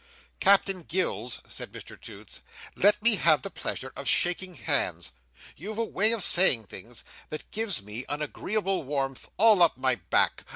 "Captain Gills," said Mr Toots, "let me have the pleasure of shaking hands. You've a way of saying things, that gives me an agreeable warmth, all up my back.